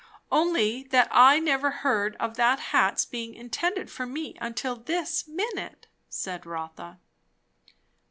"Only, that I never heard of that hat's being intended for me until this minute," said Rotha.